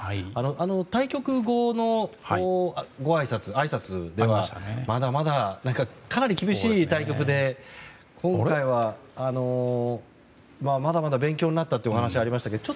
対局後のあいさつではまだまだ、かなり厳しい対局で今回は、まだまだ勉強になったとお話がありましたけれども。